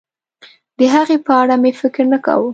د هغې په اړه مې فکر نه کاوه.